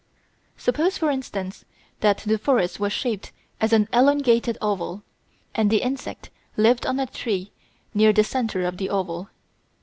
Suppose, for instance, that the forest was shaped as an elongated oval, and the insect lived on a tree near the centre of the oval.